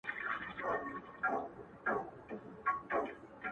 خیال چې ورشي نو بیا د الفاظو لپاره چاڼ کوي